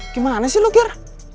gimana sih lu gir